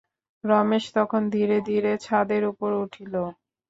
রমেশ তখন ধীরে ধীরে ছাদের উপর উঠিল।